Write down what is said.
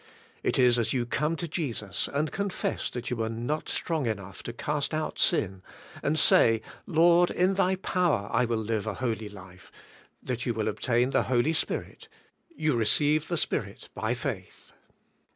It is as you come to Jesus and confess you are not strong enough to cast out sin, and say, Lord in Thy power I will live a holy life, that you will obtain the Holy Spirit — you re ceive the Spirit by faith.